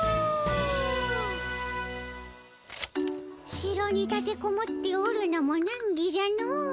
城に立てこもっておるのもなんぎじゃの。